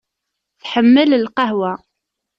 Tḥemmel lqahwa.